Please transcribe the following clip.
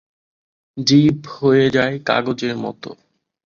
জিভ হয়ে যায় কাগজের মতো।